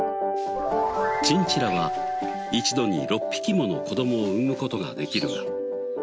チンチラは一度に６匹もの子供を産む事ができるが。